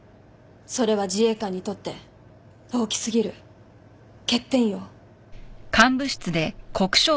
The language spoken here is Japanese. それは自衛官にとって大き過ぎる欠点よ。